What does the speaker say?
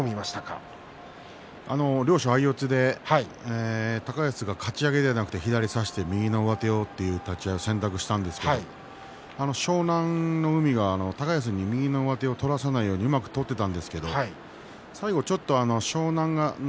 両者相四つで高安がかち上げじゃなくて左を差して右の上手をという立ち合いを選択したんですけど湘南乃海が高安に右の上手を取らせないようにうまく取っていったんですけど最後ちょっと湘南乃